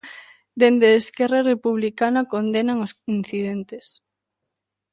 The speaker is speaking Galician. Dende Esquerra Republicana condenan os incidentes.